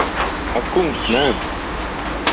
Ak kungs, nē.